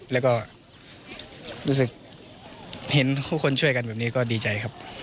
แล้วก็รู้สึกเห็นทุกคนช่วยกันแบบนี้ก็ดีใจครับ